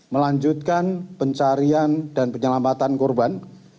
melanjutkan pencarian dan penyelamatan korban